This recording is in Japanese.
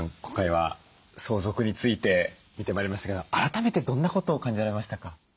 今回は相続について見てまいりましたけど改めてどんなことを感じられましたか？